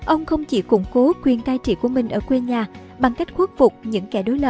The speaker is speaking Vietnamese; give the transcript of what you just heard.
ông không chỉ củng cố quyền cai trị của mình ở quê nhà bằng cách khuất phục những kẻ đối lập